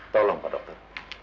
tolong pak dokter